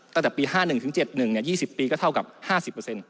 ตั้งแต่ปี๕๑ถึง๗๑เนี่ย๒๐ปีก็เท่ากับ๕๐เปอร์เซ็นต์